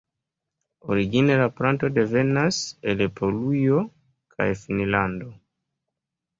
Origine la planto devenas el Polujo kaj Finnlando.